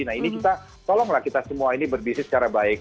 nah ini kita tolonglah kita semua ini berbisnis secara baik